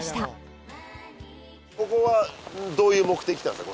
ここはどういう目的で来たんですか？